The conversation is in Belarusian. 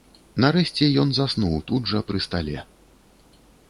Нарэшце ён заснуў тут жа пры стале.